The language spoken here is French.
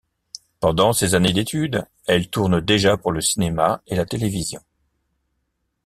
Pendant ces années d'études, elle tourne déjà pour le cinéma et la télévision.